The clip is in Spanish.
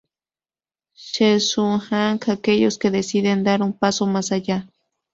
Shemsu-Ankh: aquellos que deciden dar un paso más allá.